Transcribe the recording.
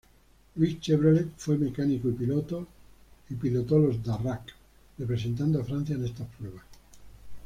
Louis Chevrolet fue mecánico y pilotó los Darracq representando a Francia en estas pruebas.